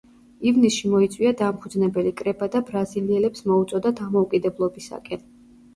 ივნისში მოიწვია დამფუძნებელი კრება და ბრაზილიელებს მოუწოდა დამოუკიდებლობისაკენ.